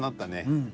うん。